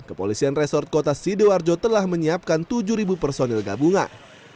kepolisian resort kota sidoarjo telah menyiapkan tujuh personil gabungan